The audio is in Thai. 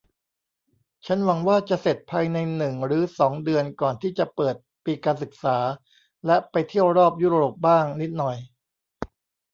ฉันหวังว่าจะเสร็จภายในหนึ่งหรือสองเดือนก่อนที่จะเปิดปีการศึกษาและไปเที่ยวรอบยุโรปบ้างนิดหน่อย